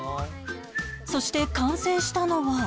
そして完成したのは